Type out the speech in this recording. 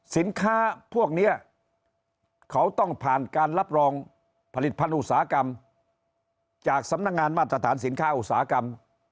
สินค้าพวกนี้เขาต้องผ่านการรับรองผลิตภัณฑ์อุตสาหกรรมจากสำนักงานมาตรฐานสินค้าอุตสาหกรรม